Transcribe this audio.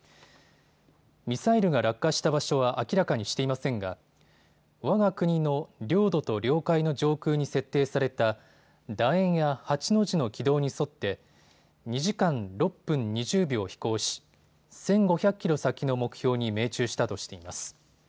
ミサイルが落下した場所は明らかにしていませんがわが国の領土と領海の上空に設定されただ円や８の字の軌道に沿って２時間６分２０秒飛行し１５００キロ先の目標に命中したとしています。